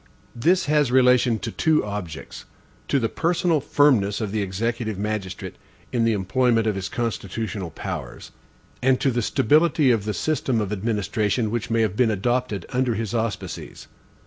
This has relation to two objects: to the personal firmness of the executive magistrate, in the employment of his constitutional powers; and to the stability of the system of administration which may have been adopted under his auspices.